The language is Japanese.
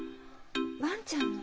ワンちゃんの？